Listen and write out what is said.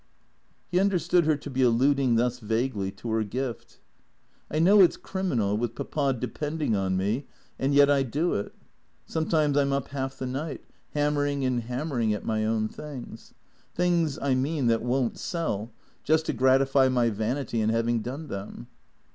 He understood her to be alluding thus vaguely to her gift. " I know it 's criminal, with Papa depending on me, and yet I do it. Sometimes I 'm up half the night, hammering and hammering at my own things; things, I mean, that won't sell, just to gratify my vanity in having done them."